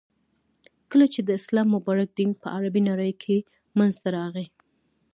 ،کله چی د اسلام مبارک دین په عربی نړی کی منځته راغی.